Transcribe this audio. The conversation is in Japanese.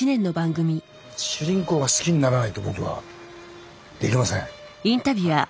主人公が好きにならないと僕はできません。